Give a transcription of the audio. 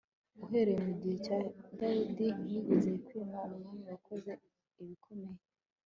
uhereye mu gihe cya dawidi, ntihigeze kwima umwami wakoze ibikomeye